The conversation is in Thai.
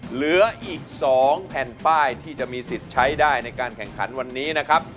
เหลืออีก๒แผ่นป้ายที่จะมีสิทธิ์ใช้ได้ในการแข่งขันวันนี้นะครับ